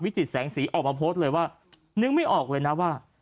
วิจิสังษรีออกมาโพสต์ว่านึกไม่ออกเลยนะว่า